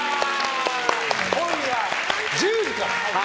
今夜１０時から。